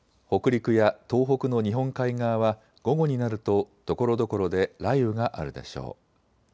北陸や東北の日本海側は午後になるとところどころで雷雨があるでしょう。